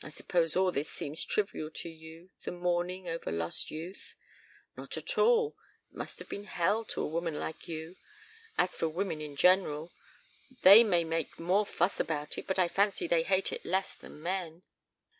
"I suppose all this seems trivial to you this mourning over lost youth " "Not at all. It must have been hell to a woman like you. As for women in general they may make more fuss about it, but I fancy they hate it less than men."